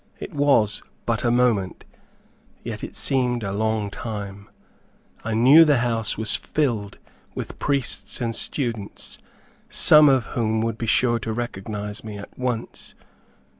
It was but a moment, yet it seemed a long time. I knew the house was filled with priests and students, some of whom would be sure to recognize me at once.